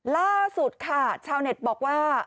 ล่าสุดค่ะชาวเน็ตบอกว่า